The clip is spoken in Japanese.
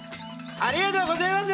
ありがとうごぜます！